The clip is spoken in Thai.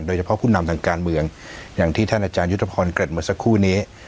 ผู้นำทางการเมืองอย่างที่ท่านอาจารยุทธพรเกิดเมื่อสักครู่นี้